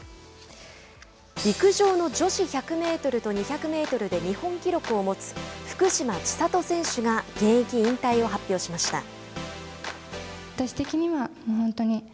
陸上の女子１００メートルと２００メートルで日本記録を持つ福島千里選手が現役引退を発表しました。